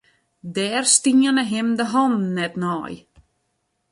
Dêr stienen him de hannen net nei.